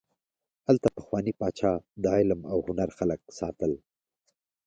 هلته پخواني پاچا د علم او هنر خلک ساتل.